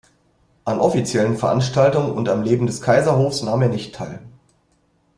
An offiziellen Veranstaltungen und am Leben des Kaiserhofs nahm er nicht teil.